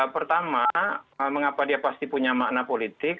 pertama mengapa dia pasti punya makna politik